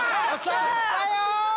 やったよ！